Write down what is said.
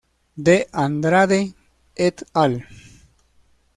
De Andrade "et al.